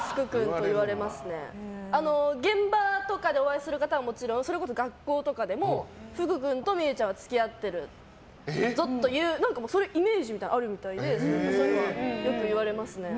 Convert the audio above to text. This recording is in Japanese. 現場とかでお会いする方はもちろんそれこそ学校とかでも福君と望結ちゃんは付き合ってるぞっていうそういうイメージがあるみたいでよく言われますね。